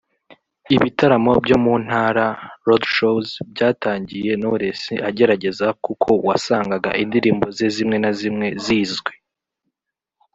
Ibitaramo byo mu ntara (Road shows) byatangiye Knowless agerageza kuko wasangaga indirimbo ze zimwe na zimwe zizwi